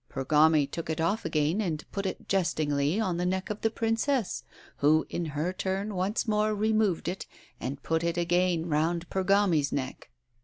Pergami took it off again and put it jestingly on the neck of the Princess, who in her turn once more removed it and put it again round Pergami's neck."